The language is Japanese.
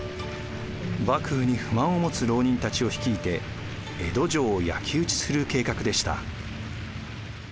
幕府に不満を持つ牢人たちを率いて江戸城を焼き打ちする計画でした。